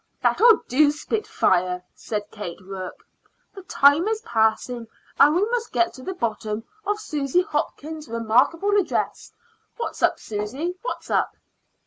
"That'll do, Spitfire," said Kate Rourke. "The time is passing, and we must get to the bottom of Susy Hopkins's remarkable address. What's up, Susy? What's up?"